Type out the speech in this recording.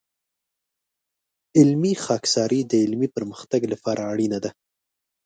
علمي خاکساري د علمي پرمختګ لپاره اړینه ده.